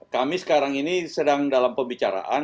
kami sekarang ini sedang dalam pembicaraan